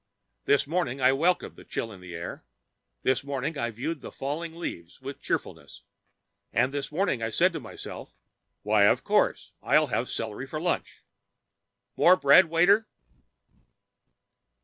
This morning I welcomed the chill in the air; this morning I viewed the falling leaves with cheerfulness; and this morning I said to myself, "Why, of course, I'll have celery for lunch." ("More bread, waiter.")